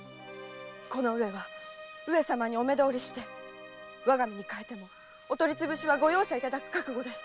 このうえは上様にお目どおりして我が身に代えてもお取り潰しはご容赦いただく覚悟です。